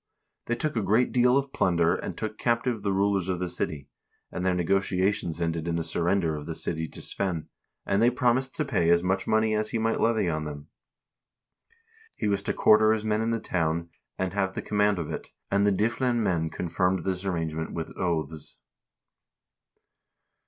They took a great deal of plunder, and took captive the rulers of the city, and their negotiations ended in the surrender of the city to Svein, and they promised to pay as much money as he might levy on them. He was to quarter his men in the town, and have the command of it, and the Dyflin men confirmed this arrange ment with oaths.